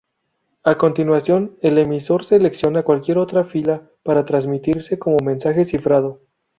A continuación, el emisor selecciona cualquier otra fila para transmitirse como mensaje cifrado.